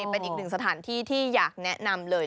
เป็นอีกหนึ่งสถานที่ที่อยากแนะนำเลย